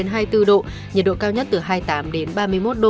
nhiệt độ cao nhất từ hai mươi tám đến ba mươi một độ